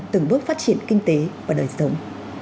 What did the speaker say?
từng bước phát triển kinh tế và đời sống